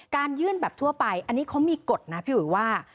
ยื่นแบบทั่วไปอันนี้เขามีกฎนะพี่อุ๋ยว่า